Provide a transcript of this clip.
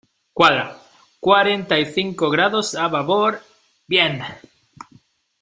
cuadra. cuarenta y cinco grados a babor . bien .